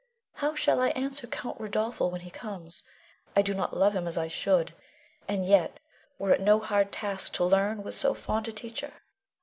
How shall I answer Count Rodolpho when he comes? I do not love him as I should, and yet it were no hard task to learn with so fond a teacher.